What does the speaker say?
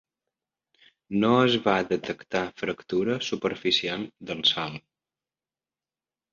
No es va detectar fractura superficial del sòl.